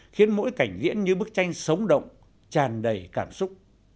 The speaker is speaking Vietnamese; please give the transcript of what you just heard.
khiến mỗi cảnh diễn như bức tranh sống động tràn đầy cảm xúc